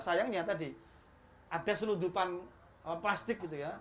sayangnya tadi ada selundupan plastik gitu ya